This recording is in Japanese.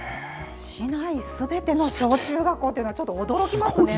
市内すべての小、中学校というのはちょっと驚きますね。